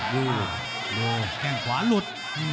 ดูแข้งขวาหลุด